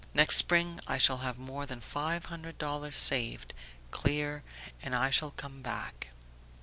Next spring I shall have more than five hundred dollars saved, clear, and I shall come back...